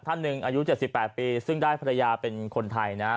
ท่านหนึ่งอายุ๗๘ปีซึ่งได้ภรรยาเป็นคนไทยนะฮะ